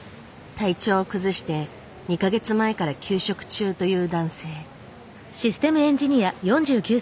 体調を崩して２か月前から休職中という男性。